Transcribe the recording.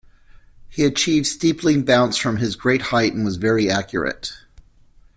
He achieved steepling bounce from his great height and was very accurate.